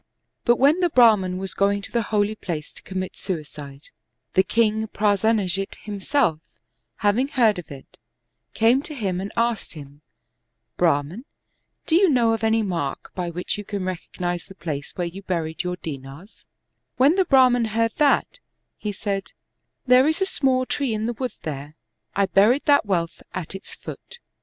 But when the Brahman was going to the holy place to commit suicide, the king Prasenajit himself, having heard of it, came to him and asked him, " Brahman, do you know of any mark by which you can recognize the place where you buried your dinars} When the Brah man heard that, he said, " There is a small tree in the wood there, I buried that wealth at its foot."